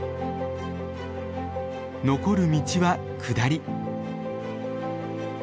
残る道は下り。